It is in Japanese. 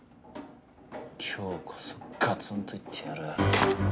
今日こそガツンと言ってやる。